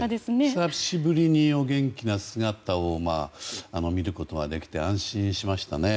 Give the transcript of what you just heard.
久しぶりにお元気な姿を見ることができて安心しましたね。